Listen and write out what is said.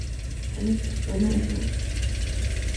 Alexis Pana Hernandez.